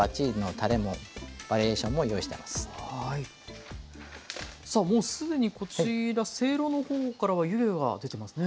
さあもうすでにこちらせいろのほうからは湯気が出てますね。